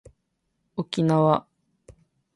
沖縄